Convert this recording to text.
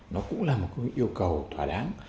nó cũng là một yêu cầu thỏa đáng